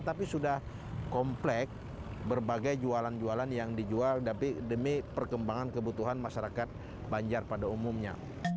tapi sudah komplek berbagai jualan jualan yang dijual demi perkembangan kebutuhan masyarakat banjar pada umumnya